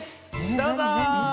どうぞ！